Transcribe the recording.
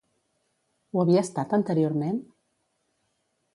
Ho havia estat anteriorment?